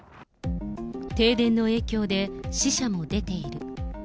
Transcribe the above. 停電の影響で死者も出ている。